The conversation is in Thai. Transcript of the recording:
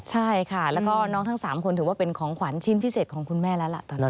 ใช่ค่ะแล้วก็น้องทั้ง๓คนถือว่าเป็นของขวัญชิ้นพิเศษของคุณแม่แล้วล่ะตอนนี้